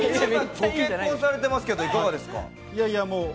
ご結婚されてますが、義堂さんいかがですか？